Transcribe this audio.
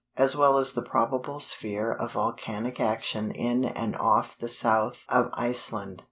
as well as the probable sphere of volcanic action in and off the south of Iceland.